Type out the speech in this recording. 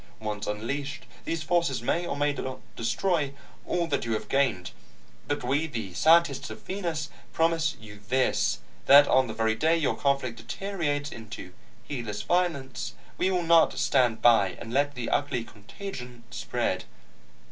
Once unleashed, these forces may or may not destroy all that you have gained. But we, the scientists of Venus, promise you this that on the very day your conflict deteriorates into heedless violence, we will not stand by and let the ugly contagion spread.